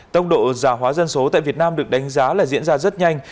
tốc độ giả hóa dân số tại việt nam được đánh giá là diễn ra rất nhanh